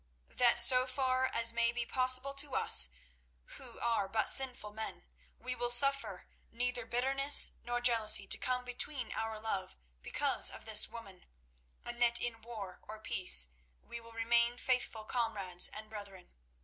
That so far as may be possible to us, who are but sinful men, we will suffer neither bitterness nor jealousy to come between our love because of this woman, and that in war or peace we will remain faithful comrades and brethren.